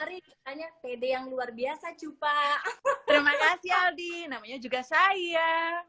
besok tawarin tanya cd yang luar biasa cupa terima kasih aldi namanya juga saya